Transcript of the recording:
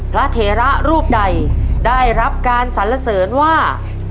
เถระรูปใดได้รับการสรรเสริญว่า